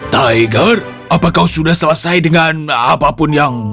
tiger apa kau sudah selesai dengan apapun yang